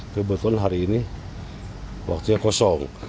kebetulan hari ini waktunya kosong